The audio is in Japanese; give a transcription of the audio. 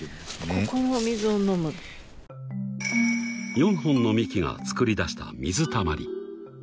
［４本の幹がつくり出した水たまり］